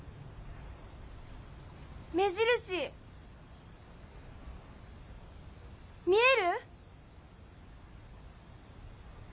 目印見える？